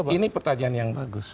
ini pertanyaan yang bagus